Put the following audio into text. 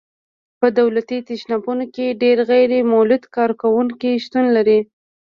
په دولتي تشبثاتو کې ډېر غیر مولد کارکوونکي شتون لري.